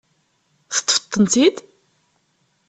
Teṭṭfeḍ-tent-id?